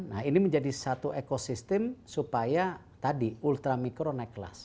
nah ini menjadi satu ekosistem supaya tadi ultramikro naik kelas